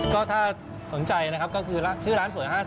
ก็ถ้าสนใจนะครับก็คือชื่อร้านสวย๕๐